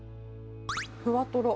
ふわトロ。